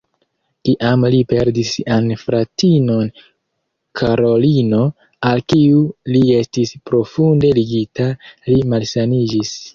Kiam li perdis sian fratinon Karolino, al kiu li estis profunde ligita, li malsaniĝis.